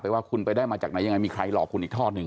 ว่าคุณไปได้มาจากไหนยังไงมีใครหลอกคุณอีกท่อหนึ่ง